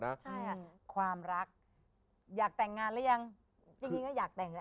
ใช่อ่ะความรักอยากแต่งงานหรือยังจริงจริงก็อยากแต่งแล้ว